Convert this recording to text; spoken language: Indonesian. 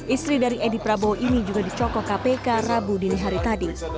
istri dari edi prabowo ini juga dicokok kpk rabu dini hari tadi